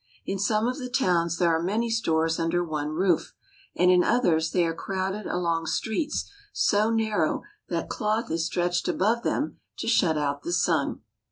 In some of the towns there are many stores under one roof, and in others they are crowded along streets so narrow that cloth is stretched above them to shut out the A Business Street in India. sun.